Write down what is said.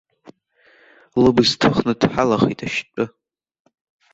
Лыбз ҭыхны дҳалахеит ашьтәы.